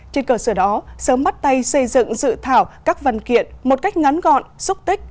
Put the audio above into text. trên cơ sở đó sớm bắt tay xây dựng dự thảo các văn kiện một cách ngắn gọn xúc tích